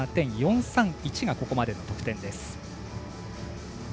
７７．４３１がここまでの得点です。